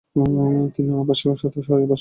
তিনি আনোয়ার পাশার সাথে শহরে প্রবেশ করেন।